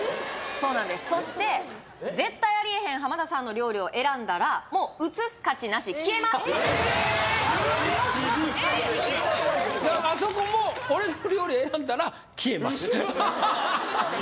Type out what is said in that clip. そうなんですそして絶対ありえへん浜田さんの料理を選んだらもう映す価値なし消えます厳しっあそこも俺の料理選んだら消えますウソ？